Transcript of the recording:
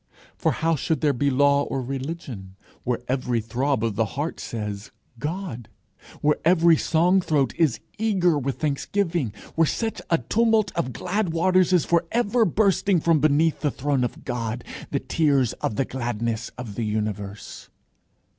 For how should there be law or religion where every throb of the heart says God! where every song throat is eager with thanksgiving! where such a tumult of glad waters is for ever bursting from beneath the throne of God, the tears of the gladness of the universe!